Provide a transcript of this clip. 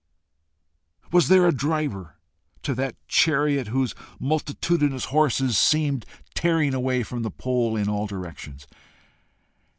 Was there a driver to that chariot whose multitudinous horses seemed tearing away from the pole in all directions?